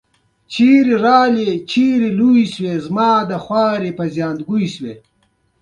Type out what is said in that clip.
پر لوحه یې لیکل شوي وو اعمده القدس.